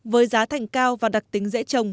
với giá thành cao và đặc tính dễ trồng